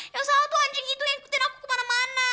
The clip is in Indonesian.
yang salah tuh anjing itu yang ikutin aku kemana mana